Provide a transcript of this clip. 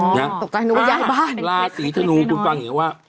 หอลาศรีทะนูคุณฟังอย่างนี้ว่า